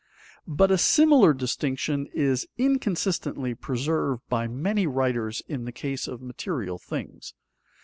But a similar distinction is inconsistently preserved by many writers in the case of material things.